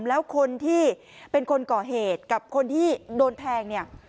แล้วคนที่เป็นคนก่อเหตุกับคนที่โดนแทงเนี่ย